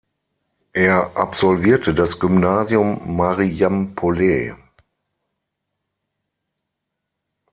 Er absolvierte das Gymnasium Marijampolė.